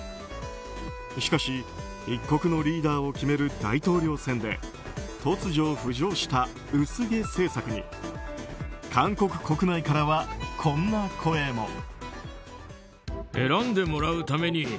しかし、一国のリーダーを決める大統領選で突如、浮上した薄毛政策に韓国国内からはこんな声も。